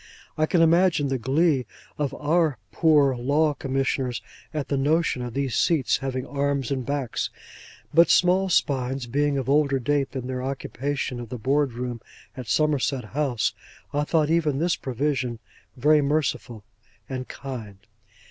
I can imagine the glee of our Poor Law Commissioners at the notion of these seats having arms and backs; but small spines being of older date than their occupation of the Board room at Somerset House, I thought even this provision very merciful and kind.